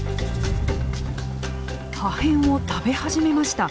破片を食べ始めました。